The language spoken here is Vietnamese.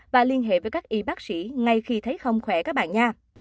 và liên hệ với các y bác sĩ ngay khi thấy không khỏe các bạn nha